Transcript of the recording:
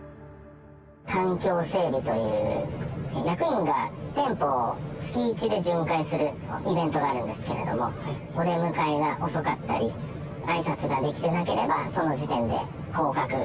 環境整備という、役員が店舗を月一で巡回するイベントがあるんですけれども、お出迎えが遅かったり、あいさつができてなければ、その時点で降格。